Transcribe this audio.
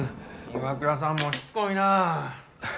岩倉さんもしつこいなぁ。